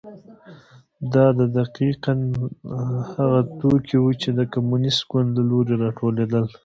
دا دقیقا هغه توکي وو چې د کمونېست ګوند له لوري راټولېدل.